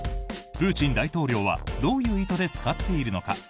プーチン大統領はどういう意図で使っているのか。